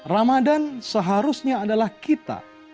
ramadhan seharusnya adalah kita